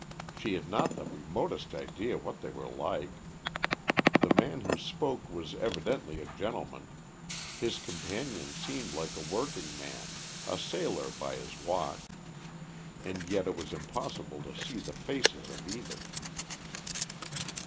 She had not the remotest idea what they were like. The man who spoke was evidently a gentleman; his companion seemed like a working man a sailor by his walk. And yet it was impossible to see the faces of either.